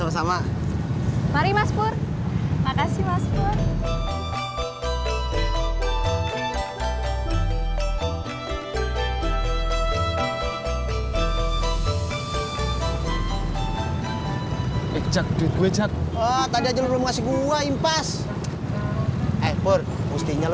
sampai jumpa di video selanjutnya